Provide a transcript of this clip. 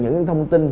những cái thông tin